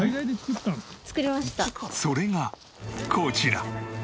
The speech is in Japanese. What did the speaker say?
それがこちら。